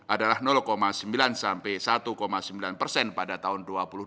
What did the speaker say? adalah sembilan sampai satu sembilan persen pada tahun dua ribu dua puluh